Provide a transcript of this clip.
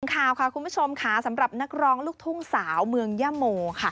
ข่าวค่ะคุณผู้ชมค่ะสำหรับนักร้องลูกทุ่งสาวเมืองย่าโมค่ะ